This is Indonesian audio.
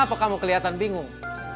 kenapa kamu kelihatan bingung